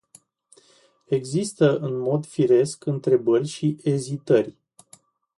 Există în mod firesc întrebări și ezitări.